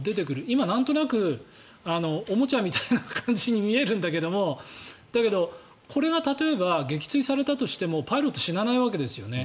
今、なんとなくおもちゃみたいな感じに見えるんだけどだけど、これが例えば撃墜されたとしてもパイロット死なないわけですよね